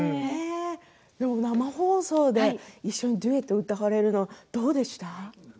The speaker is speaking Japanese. でも生放送で一緒にデュエットを歌われるのはどうでしたか？